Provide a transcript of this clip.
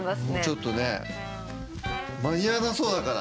ちょっとね間に合わなそうだから。